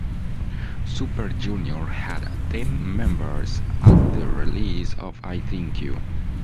Super Junior had ten members at the release of "I Think U".